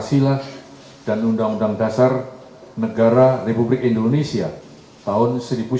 pancasila dan undang undang dasar negara republik indonesia tahun seribu sembilan ratus empat puluh lima